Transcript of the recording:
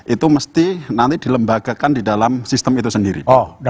itu mesti nanti dilembagakan di dalam sistem itu sendiri